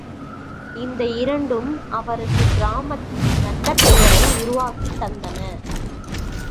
இந்த இரண்டும் அவருக்கு கிராமத்தில் நல்ல பெயரை உருவாக்கித் தந்தன.